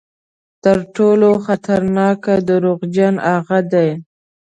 تر ټولو خطرناک دروغجن هغه دي.